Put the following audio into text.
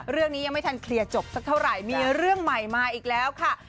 ยังไม่ทันเคลียร์จบสักเท่าไหร่มีเรื่องใหม่มาอีกแล้วค่ะ